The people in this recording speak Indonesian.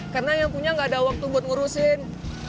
karena yang punya nggak ada waktu buat ngurusin